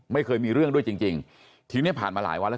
ไม่เคยมีเรื่องด้วยจริงจริงทีเนี้ยผ่านมาหลายวันแล้ว